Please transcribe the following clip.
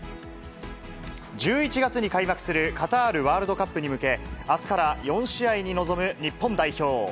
１１月に開幕するカタールワールドカップに向け、あすから４試合に臨む日本代表。